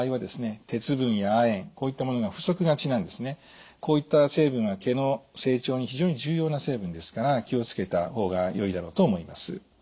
特にこういった成分は毛の成長に非常に重要な成分ですから気を付けた方がよいだろうと思います。